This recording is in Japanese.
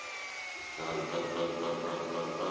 タカタンタンタンタンタンタン。